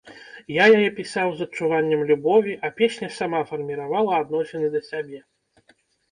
Я яе пісаў з адчуваннем любові, а песня сама фарміравала адносіны да сябе.